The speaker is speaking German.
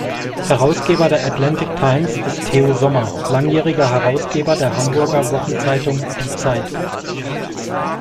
Herausgeber der "Atlantic Times" ist Theo Sommer, langjähriger Herausgeber der Hamburger Wochenzeitung "Die Zeit".